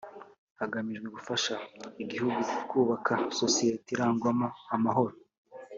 Hagamijwe gufasha igihugu kubaka sosiyete irangwamo amahoro